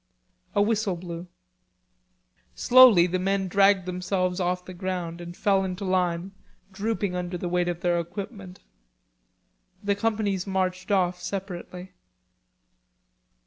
A whistle blew. Slowly the men dragged themselves off the ground and fell into line, drooping under the weight of their equipment. The companies marched off separately.